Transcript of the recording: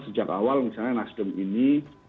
sejak awal misalnya nasdem ini